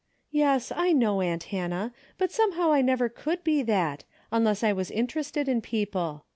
" Yes, I know, aunt Hannah, but somehow I never could be that, unless I was interested in people.